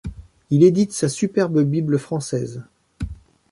Il édite sa superbe Bible française.